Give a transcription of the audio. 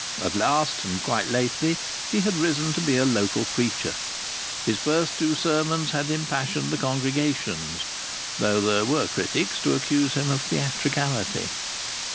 At last, and quite lately, he had risen to be a local preacher. His first two sermons had impassioned the congregations, though there were critics to accuse him of theatricality.